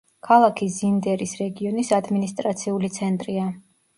ქალაქი ზინდერის რეგიონის ადმინისტრაციული ცენტრია.